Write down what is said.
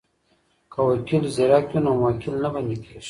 که وکیل زیرک وي نو موکل نه بندی کیږي.